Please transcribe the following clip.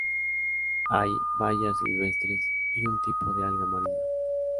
Hay bayas silvestres y un tipo de alga marina.